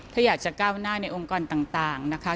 ถ้าอยากจะก้าวหน้าในองค์กรต่างนะคะ